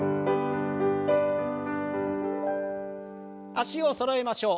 脚をそろえましょう。